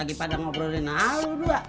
lagi pada ngobrolin alu lu ah